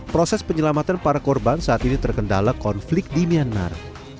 proses penyelamatan para korban saat ini terkendala konflik di myanmar